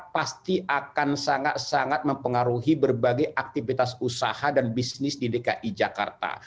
pasti akan sangat sangat mempengaruhi berbagai aktivitas usaha dan bisnis di dki jakarta